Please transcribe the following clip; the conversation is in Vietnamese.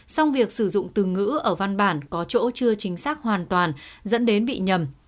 song việc sử dụng từ ngữ ở văn bản có chỗ chưa chính xác hoàn toàn dẫn đến bị nhầm